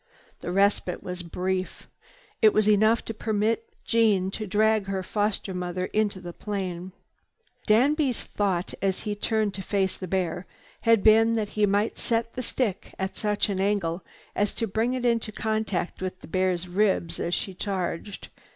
The respite was brief. It was enough to permit Jeanne to drag her foster mother into the plane. Danby's thought as he turned to face the bear had been that he might set the stick at such an angle as to bring it into contact with the bear's ribs as she charged.